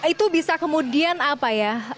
itu bisa kemudian apa ya